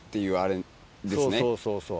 そうそうそうそう。